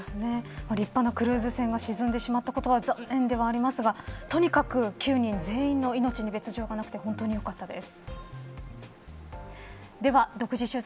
立派なクルーズ船が沈んでしまったことは残念ではありますがとにかく９人全員の命に別条がなくてほんとによかったです。